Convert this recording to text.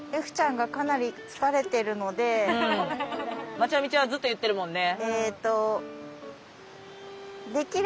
まちゃみちゃんはずっと言ってるもんね。